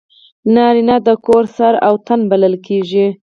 نارینه د کور سر او تنه بلل کېږي.